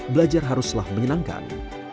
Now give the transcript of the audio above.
belajar haruslah menyenangkan